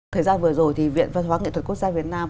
thời gian vừa rồi thì viện văn hóa nghệ thuật quốc gia việt nam